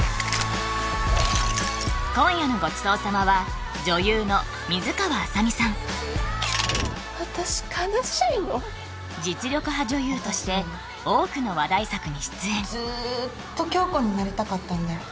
今夜のごちそう様は私悲しいの実力派女優として多くの話題作に出演ずっと恭子になりたかったんだよ